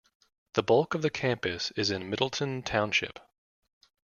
The bulk of the campus is in Middletown Township.